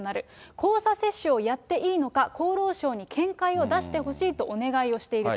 交差接種をやっていいのか、厚労省に見解を出してほしいとお願いをしていると。